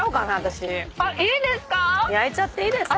焼いちゃっていいですか。